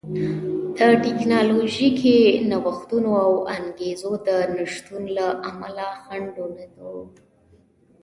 د ټکنالوژیکي نوښتونو او انګېزو د نشتون له امله خنډونه وو